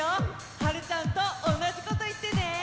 はるちゃんとおなじこといってね！